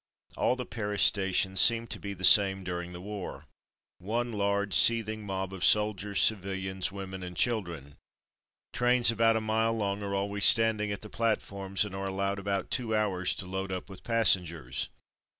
All the Paris stations seemed to be the same during the war. One large seething mob of soldiers, civilians, women, and children. Trains about a mile long are always standing at the platforms and are allowed about two hours to load up with passengers.